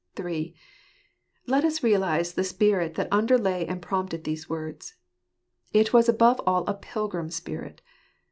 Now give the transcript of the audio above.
III. Let us Realize the Spirit that Underlay and Prompted these Words. It was above all a pilgrim spirit.